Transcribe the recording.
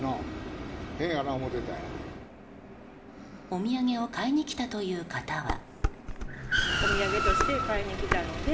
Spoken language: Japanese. お土産を買いに来たという方は。